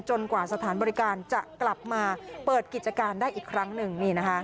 กว่าสถานบริการจะกลับมาเปิดกิจการได้อีกครั้งหนึ่ง